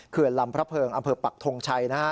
เขื่อนรำพระเพิงอปรักษ์ทรงชัย